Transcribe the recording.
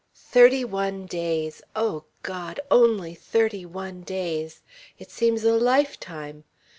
Thirty one days! Oh, God! Only thirty one days. It seems a lifetime.